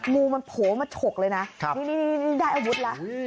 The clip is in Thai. งูมันโผล่มาฉกเลยนะนี่ได้อาวุธแล้ว